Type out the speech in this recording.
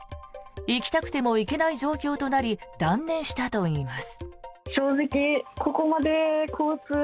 行きたくても行けない状況となり断念したといいます。